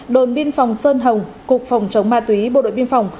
đồn biên phòng sơn hồng cục phòng chống ma túy bộ đội biên phòng